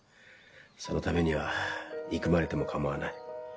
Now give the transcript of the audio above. そのためには憎まれてもかまわない。